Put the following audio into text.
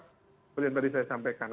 seperti yang tadi saya sampaikan